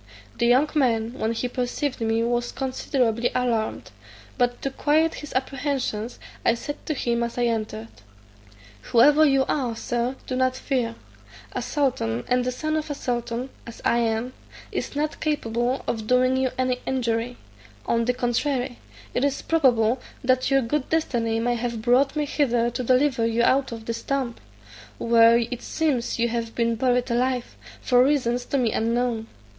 The young man, when he perceived me was considerably alarmed; but to quiet his apprehensions, I said to him as I entered, "Whoever you are, Sir, do not fear; a sultan, and the son of a sultan, as I am, is not capable of doing you any injury: on the contrary, it is probable that your good destiny may have brought me hither to deliver you out of this tomb, where it seems you have been buried alive, for reasons to me unknown.